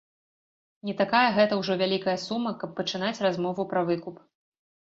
Не такая гэта ўжо вялікая сума, каб пачынаць размову пра выкуп.